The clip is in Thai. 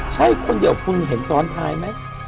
ใช่คนเดี๋ยวคุณเห็นสอนไทยมั้ย